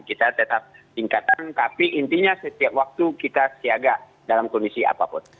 kita tetap tingkatkan tapi intinya setiap waktu kita siaga dalam kondisi apapun